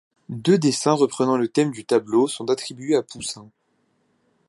Deux dessins reprenant le thème du tableau sont attribués à Poussin.